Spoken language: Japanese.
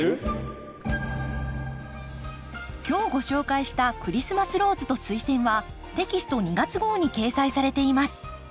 今日ご紹介した「クリスマスローズとスイセン」はテキスト２月号に掲載されています。